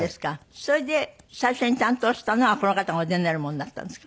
それで最初に担当したのがこの方がお出になるものだったんですか？